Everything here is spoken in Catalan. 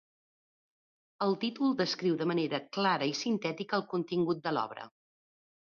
El títol descriu de manera clara i sintètica el contingut de l'obra.